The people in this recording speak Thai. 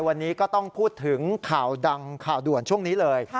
วันนี้ก็ต้องพูดถึงข่าวดังข่าวด่วนช่วงนี้เลย